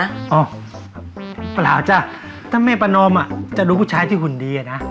เปล่าจ้ะถ้าแม่ประนอมอ่ะจะดูผู้ชายที่หุ่นดีอะนะ